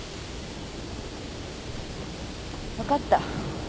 分かった。